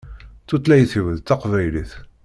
Tutlayt-iw d Taqbaylit.